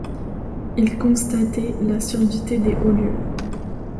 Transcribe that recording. Il constatait la surdité des hauts lieux.